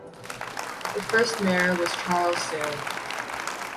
The first Mayor was Charles Salem.